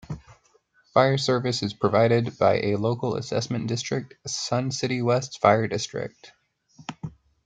Fire service is provided by a local assessment district, Sun City West Fire District.